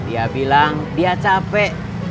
dia bilang dia capek